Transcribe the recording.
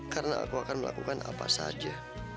karena aku akan melakukan apa saja